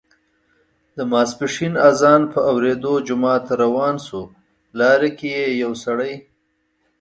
د ماسپښین اذان په اوریدا جومات ته روان شو، لاره کې یې یو سړی